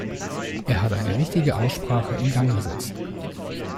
Er hat eine wichtige Aussprache in Gang gesetzt.